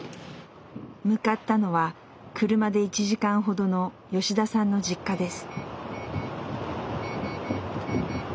向かったのは車で１時間ほどの吉田さんの実家です。